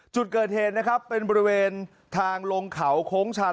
จุดเกิดเหตุนะครับเป็นบริเวณทางลงเขาโค้งชัน